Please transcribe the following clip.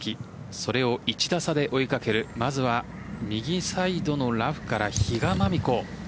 それを１打差で追いかけるまずは右サイドのラフから比嘉真美子。